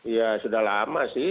ya sudah lama sih